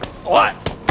おい！